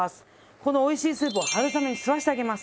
このおいしいスープを春雨に吸わせてあげます。